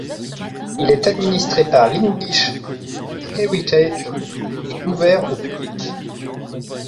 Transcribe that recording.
Il est administré par l'English Heritage et ouvert au public.